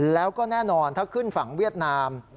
แล้วก็แน่นอนถ้าขึ้นฝั่งเวียดนาม